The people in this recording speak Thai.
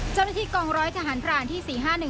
เจ้าหน้าที่กองร้อยทหารพรานที่๔๕๑